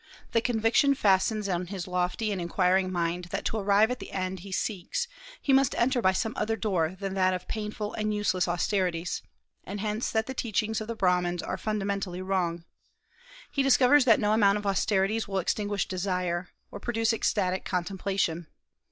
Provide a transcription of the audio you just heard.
The conviction fastens on his lofty and inquiring mind that to arrive at the end he seeks he must enter by some other door than that of painful and useless austerities, and hence that the teachings of the Brahmans are fundamentally wrong. He discovers that no amount of austerities will extinguish desire, or produce ecstatic contemplation.